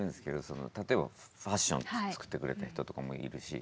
例えばファッション作ってくれた人とかもいるし。